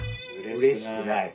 うれしくない。